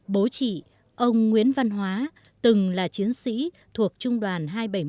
bố chị ông nguyễn văn hóa từng là chiến sĩ thuộc trung đoàn hai trăm bảy mươi một